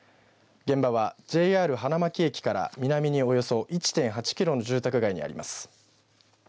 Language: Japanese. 現場は、ＪＲ花巻駅から南におよそ１．８キロの住宅街にあります。